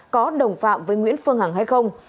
có đồng phạm với nguyễn phương hằng hay không